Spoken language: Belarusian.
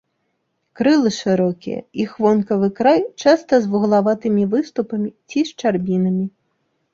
Крылы шырокія, іх вонкавы край часта з вуглаватымі выступамі ці шчарбінамі.